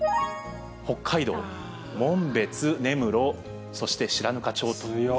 北海道・紋別、根室、そして白糠町と。